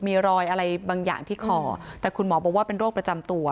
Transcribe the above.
มีรอยอะไรบางอย่างที่คอแต่คุณหมอบอกว่าเป็นโรคประจำตัว